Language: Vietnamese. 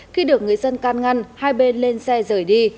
khi được người dân can ngăn hai bên lên xe rời đi